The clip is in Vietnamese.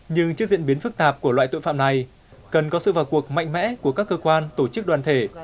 nhưng trước diễn biến phức tạp của loại tội phạm này cần có sự vào cuộc mạnh mẽ của các cơ quan tổ chức đoàn thể